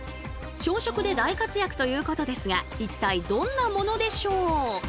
朝食で大活躍ということですが一体どんなものでしょう？